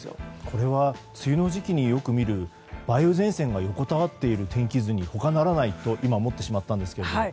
これは梅雨の時期によく見る、梅雨前線が横たわっている天気図に他ならないと今、思ってしまったんですが。